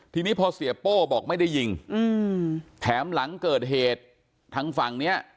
ทีนี้พอเสียโป้บอกไม่ได้ยิงแถมหลังเกิดเหตุทางฝั่งเนี้ย